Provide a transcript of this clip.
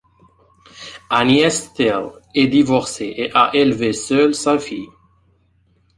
Agnès Thill est divorcée et a élevé seule sa fille.